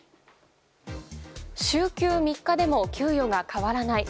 週休３日でも給与が変わらない。